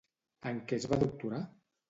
En què es va doctorar?